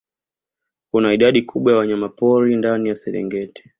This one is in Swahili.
Kuna idadi kubwa ya wanyamapori ndani ya Serengeti